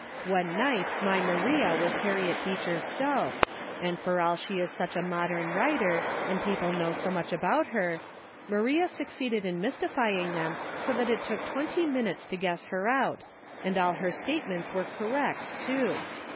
One night my Maria was Harriet Beecher Stowe, and for all she is such a modern writer, and people know so much about her, Maria succeeded in mystifying them so that it took twenty minutes to guess her out, and all her statements were correct, too.